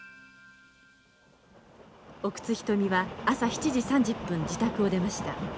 奥津牟は朝７時３０分自宅を出ました。